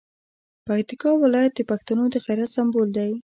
پکتیکا ولایت د پښتنو د غیرت سمبول دی.